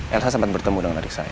elsa sempat bertemu dengan adik saya